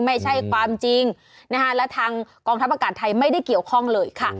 ไม่ใช่ความจริงนะคะและทางกองทัพอากาศไทยไม่ได้เกี่ยวข้องเลยค่ะ